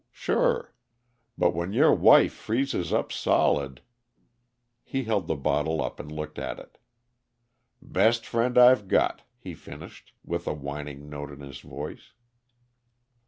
Sure. But when your wife freezes up solid " He held the bottle up and looked at it. "Best friend I've got," he finished, with a whining note in his voice.